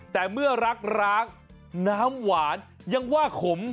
แต่เมื่อรักร้างน้ำหวานยังว่าขม